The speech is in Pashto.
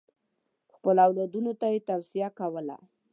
خپلو اولادونو ته یې توصیه کوله.